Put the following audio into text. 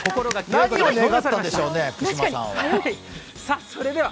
何を願ったんでしょうね、福島さんは。